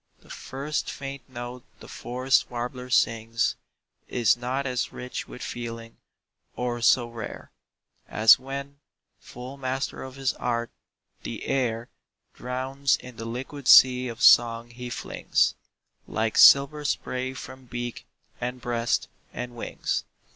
The first faint note the forest warbler sings Is not as rich with feeling, or so rare As when, full master of his art, the air Drowns in the liquid sea of song he flings Like silver spray from beak, and breast, and wings.